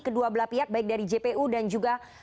kedua belah pihak baik dari jpu dan juga dari jpr oke baik